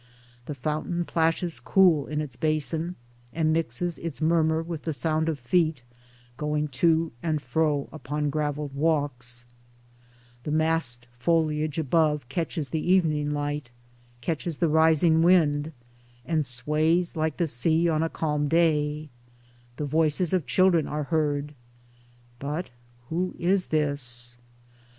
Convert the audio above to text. The fountain plashes cool in its basin, and mixes its murmur with the sound of feet going to and fro upon graveled walks; The massed foliage above catches the evening light, Towards Democracy 43 catches the rising wind, and sways like the sea on a calm day; the voices of children are heard — but who is this?